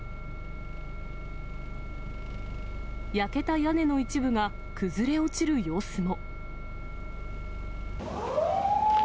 焼けた屋根の一部が崩れ落ちる様子も。